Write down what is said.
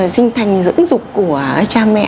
sinh thành dưỡng dục của cha mẹ